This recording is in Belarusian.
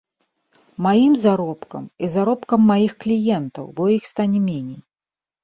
Маім заробкам і заробкам маіх кліентаў, бо іх стане меней.